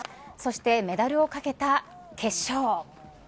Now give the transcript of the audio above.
そしてメダルを懸けた決勝。